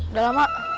udah lah mak